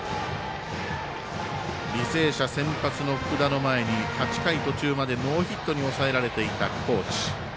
履正社先発の福田の前に８回途中までノーヒットに抑えられていた高知。